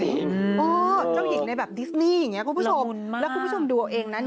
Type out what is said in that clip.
จ้าหญิงในแบบดิสนีผมความรับพี่คุณผู้ชมดูเอ้วยังนะ